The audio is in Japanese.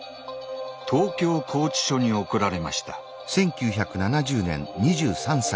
東京拘置所に送られました。